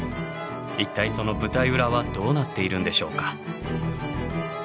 一体その舞台裏はどうなっているんでしょうか？